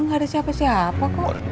gak ada siapa siapa kok